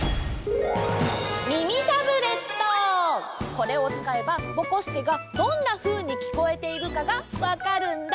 これをつかえばぼこすけがどんなふうにきこえているかがわかるんだ！